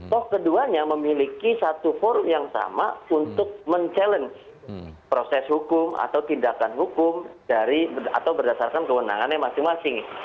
toh keduanya memiliki satu forum yang sama untuk mencabar proses hukum atau tindakan hukum dari atau berdasarkan kewenangannya masing masing